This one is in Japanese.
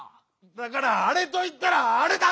だから「あれ」といったら「あれ」だ！